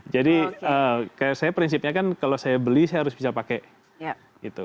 jadi kayak saya prinsipnya kan kalau saya beli saya harus bisa pakai gitu